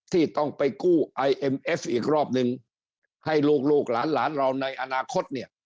ที่ต้องไปกู้ไอเอ็มเอฟอีกรอบนึงให้ลูกลูกหลานหลานเราในอนาคตเนี่ย